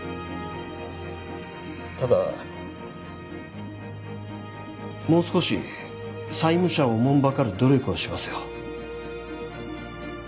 ただもう少し債務者をおもんばかる努力はしますよ。